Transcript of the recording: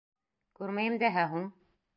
Күрмәйем дәһә һуң.